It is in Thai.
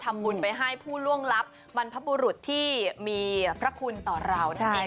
ทำบุญไปให้ผู้ล่วงลับบรรพบุรุษที่มีพระคุณต่อเรานั่นเอง